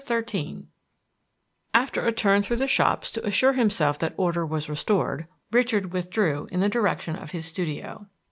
XIII After a turn through the shops to assure himself that order was restored, Richard withdrew in the direction of his studio.